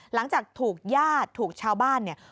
หลังจากถูกญาติถูกชาวบ้านเนี่ย